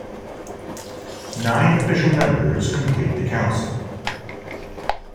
Nine official members complete the council.